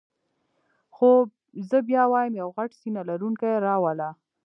خو زه بیا وایم یو غټ سینه لرونکی را وله.